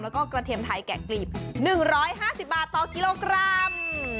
แล้วก็กระเทียมไทยแกะกรีบหนึ่งร้อยห้าสิบบาทต่อกิโลกรัม